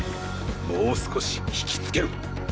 もう少し引きつけろ。